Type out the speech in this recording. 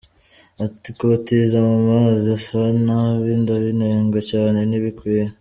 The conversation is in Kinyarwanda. Ati ‘‘Kubatiza mu mazi asa nabi ndabinenga cyane ntibikwiye.